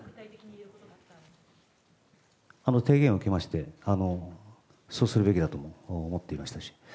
提言を受けまして、そうするべきだと思っていましたし。